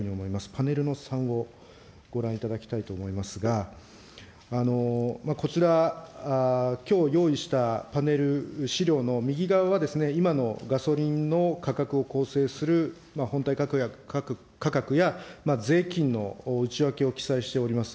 パネルの３をご覧いただきたいと思いますが、こちら、きょう用意したパネル、資料の右側は、今のガソリンの価格を構成する本体価格や税金の内訳を記載しております。